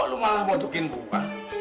kok lo malah mau dukin buah